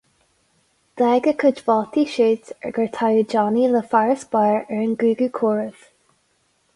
D'fhág a cuid vótaí siúd gur toghadh Johnny le farasbarr ar an gcúigiú comhaireamh.